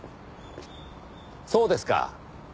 そうですか。